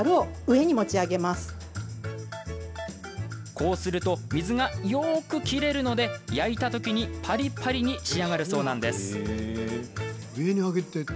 こうすると水がよく切れるので焼いたときパリパリに仕上がるそうなんです。